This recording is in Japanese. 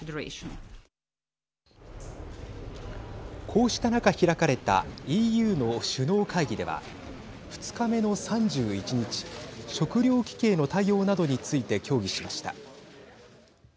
こうした中、開かれたＥＵの首脳会議では２日目の３１日食糧危機への対応などについて協議しました。